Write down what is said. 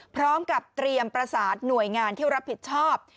พร้อมกับเตรียมประสานหน่วยงานที่รับผิดชอบ